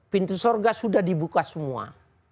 pintu sorga sudah dibuka semua